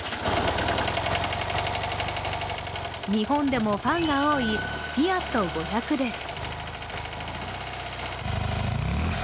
日本でもファンが多いフィアット５００です。